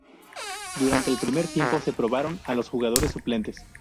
Durante el primer tiempo se probaron a los jugadores suplentes.